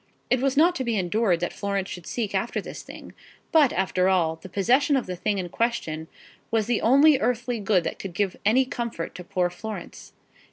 It was not to be endured that Florence should seek after this thing; but, after all, the possession of the thing in question was the only earthly good that could give any comfort to poor Florence.